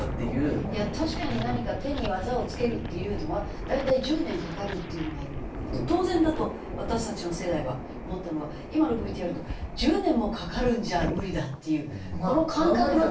いや確かに何か手に技をつけるっていうのは大体１０年かかるっていうのが当然だと私たちの世代は思ったのが今のＶＴＲだと１０年もかかるんじゃ無理だっていうこの感覚の違い。